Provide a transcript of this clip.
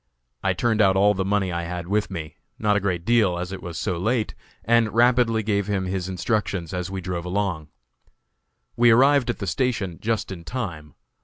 I turned out all the money I had with me not a great deal, as it was so late and rapidly gave him his instructions as we drove along. We arrived at the station just in time.